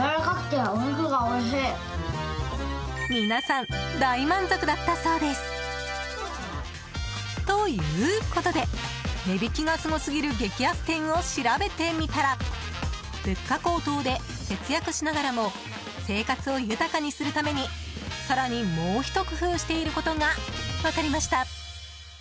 皆さん大満足だったそうです。ということで値引きがすごすぎる激安店を調べてみたら物価高騰で、節約しながらも生活を豊かにするために更にもうひと工夫していることが分かりました。